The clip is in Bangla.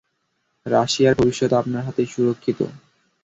রাশিয়ার ভবিষ্যৎ আপনার হাতেই সুরক্ষিত!